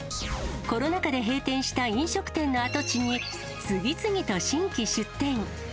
コロナ禍で閉店した飲食店の跡地に、次々と新規出店。